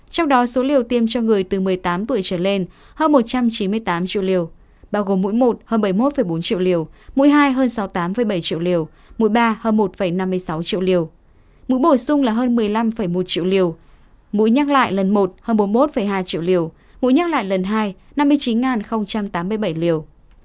trong đó số liều tiêm cho người từ một mươi tám tuổi trở lên hơn một trăm chín mươi tám triệu liều bao gồm mũi một hơn bảy mươi một bốn triệu liều mũi hai hơn sáu mươi tám bảy triệu liều mũi ba hơn một năm mươi sáu triệu liều mũi bổ sung là hơn một mươi năm một triệu liều mũi nhắc lại lần một hơn bốn mươi một hai triệu liều mũi nhắc lại lần hai năm mươi chín tám mươi bảy liều